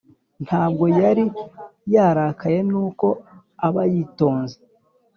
ntabwo yari yarakaye nuko aba yitonze